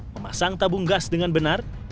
memasang tabung gas dengan benar